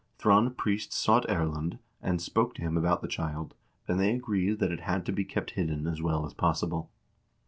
Thrond Priest sought Erlend, and spoke to him about the child, and they agreed that it had to be kept hidden as well as possible.